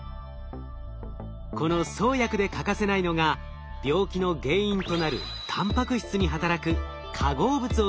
この創薬で欠かせないのが病気の原因となるたんぱく質に働く化合物を見つけることです。